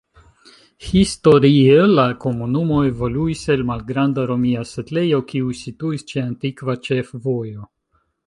Historie la komunumo evoluis el malgranda romia setlejo, kiu situis ĉe antikva ĉefvojo.